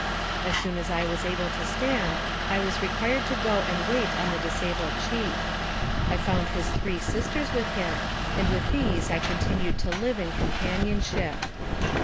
As soon as I was able to stand, I was required to go and wait on the disabled chief. I found his three 120" NARRATIVE OF CAPTIVITY sisters with him, and with these I continned to live in companionship.